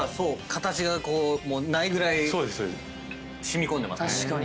形がないぐらい染み込んでますね。